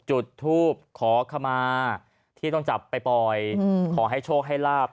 จุดทูปขอขมาที่ต้องจับไปปล่อยขอให้โชคให้ลาบ